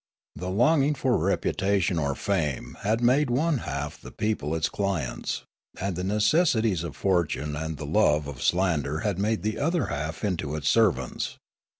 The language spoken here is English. The longing for reputation or fame bad made one half the people its clients, and the necessities of fortune and the love of slander had made the other half into its servants.